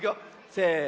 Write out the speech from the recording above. せの。